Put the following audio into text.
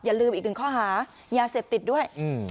อย่าลืมอีกหนึ่งข้อหายาเสพติดด้วย